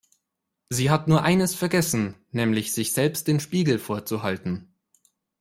Sie hat nur eines vergessen, nämlich sich selbst den Spiegel vorzuhalten.